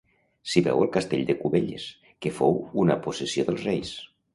S'hi veu el castell de Cubelles, que fou una possessió dels reis.